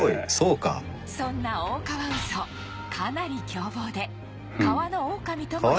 そんなオオカワウソかなり凶暴で「川のオオカミ」とも呼ばれるほど